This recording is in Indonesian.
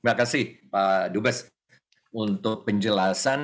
terima kasih pak dubes untuk penjelasan